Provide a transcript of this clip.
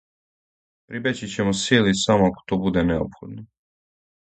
Прибећићемо сили само ако то буде неопходно.